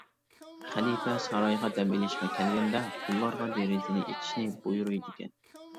خەلىپە سارايغا دەم ئېلىشقا كەلگەندە، قۇللارغا دېرىزىنى ئېچىشنى بۇيرۇيدىكەن.